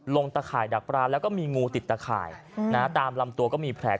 ตะข่ายดักปลาแล้วก็มีงูติดตะข่ายตามลำตัวก็มีแผล